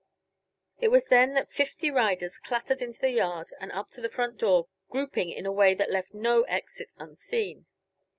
It was then that fifty riders clattered into the yard and up to the front door, grouping in a way that left no exit unseen.